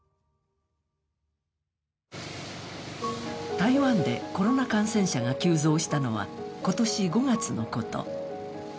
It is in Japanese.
台湾でコロナ感染者が急増したのは今年５月のこと。